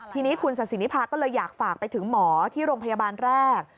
ทีนี้คุณศาสินิพาก็เลยอยากฝากไปถึงหมอที่โรงพยาบาลแรก